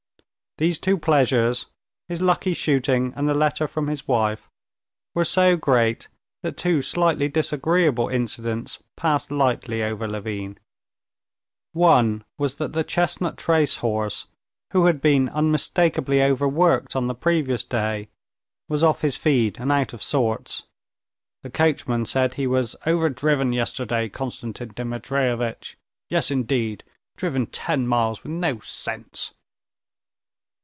These two pleasures, his lucky shooting and the letter from his wife, were so great that two slightly disagreeable incidents passed lightly over Levin. One was that the chestnut trace horse, who had been unmistakably overworked on the previous day, was off his feed and out of sorts. The coachman said he was "Overdriven yesterday, Konstantin Dmitrievitch. Yes, indeed! driven ten miles with no sense!"